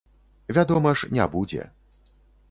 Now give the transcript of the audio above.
Вядома ж, не будзе.